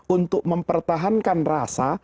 untuk mempertahankan rasa